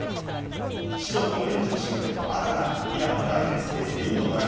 白とオレンジのシングレット、赤がインドのラビです。